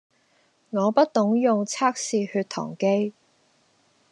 我不懂用測試血糖機